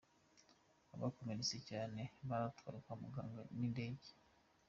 Abakomeretse cyane batwawe kwa muganga n’indege.